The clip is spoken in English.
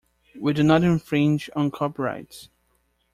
We do not infringe on copyrights.